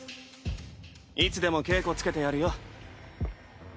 いつでも稽古つけてやるよ。